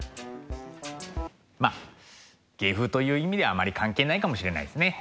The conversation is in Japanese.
まっ芸風という意味ではあんまり関係ないかもしれないですね。